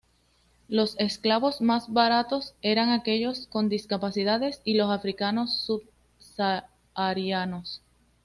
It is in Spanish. Los esclavos más baratos eran aquellos con discapacidades y los africanos subsaharianos.